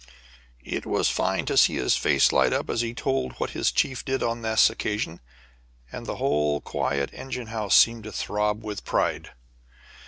It was fine to see his face light up as he told what his chief did on this occasion, and the whole quiet engine house seemed to throb with pride.